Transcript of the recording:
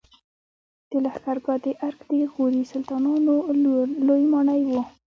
د لښکرګاه د ارک د غوري سلطانانو لوی ماڼۍ وه